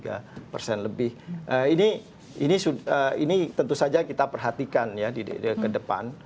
dan pemirsa setelah pariwara kami akan kembali melanjutkan perbincangan dalam the central bank